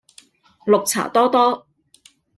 綠茶多多